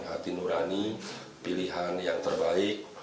hati nurani pilihan yang terbaik